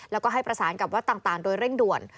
แล้วก็ให้ประสานกับวัดต่างโดยเร่งด่วน